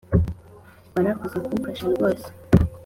Warakoze kumfasha rwose